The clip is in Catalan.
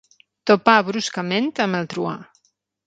Topà bruscament amb el truà.